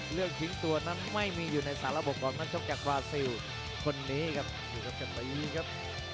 เรื่องทิ้งตัวนั้นไม่มีอยู่ในสารบบของนักชกจากบราซิลคนนี้ครับ